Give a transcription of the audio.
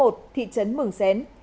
thị trấn mường xén